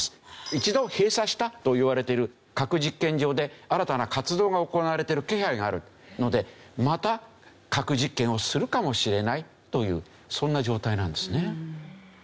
一度閉鎖したといわれている核実験場で新たな活動が行われている気配があるのでまた核実験をするかもしれないというそんな状態なんですね。